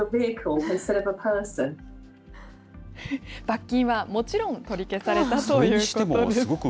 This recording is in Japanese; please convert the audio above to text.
罰金はもちろん取り消されたということです。